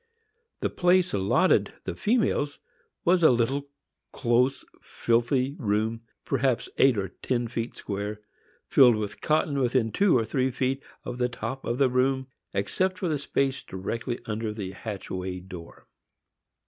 The place allotted the females was a little close, filthy room, perhaps eight or ten feet square, filled with cotton within two or three feet of the top of the room, except the space directly under the hatchway door.